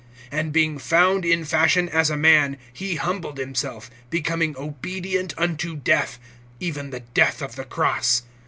(8)And being found in fashion as a man, he humbled himself, becoming obedient unto death, even the death of the cross.